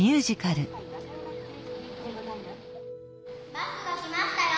「バスが来ましたよ」。